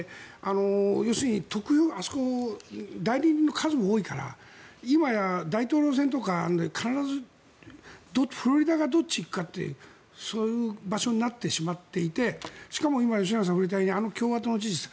あそこ、代理人の数も多いから今や大統領選とか必ずフロリダがどっち行くかってそういう場所になってしまっていてしかも今、吉永さんが触れたように共和党の知事は